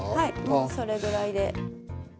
もうそれぐらいで。